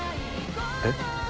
えっ？